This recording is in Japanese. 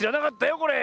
これ。